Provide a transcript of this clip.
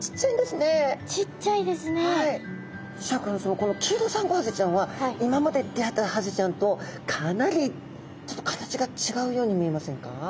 このキイロサンゴハゼちゃんは今まで出会ったハゼちゃんとかなりちょっと形が違うように見えませんか？